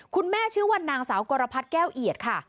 คุณแม่ชื่อวันนางสาวกรพัฒน์แก้วเอียดค่ะ